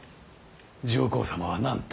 上皇様は何と。